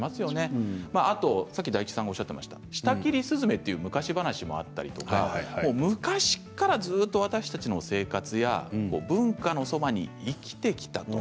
あとさっき大吉さんもおっしゃっていた「舌切り雀」という昔話もあったりずっと私たちの生活に文化のそばに生きてきた。